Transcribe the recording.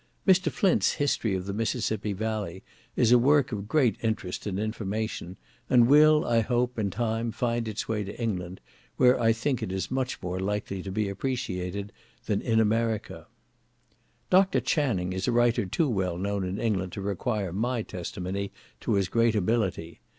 Mr. Flint's History of the Mississippi Valley is a work of great interest, and information, and will, I hope, in time find its way to England, where I think it is much more likely to be appreciated than in America. Dr. Channing is a writer too well known in England to require my testimony to his great ability.